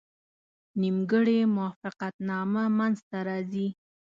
نیمګړې موافقتنامه منځته راځي.